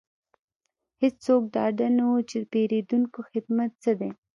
هیڅوک ډاډه نه وو چې د پیرودونکو خدمت څه دی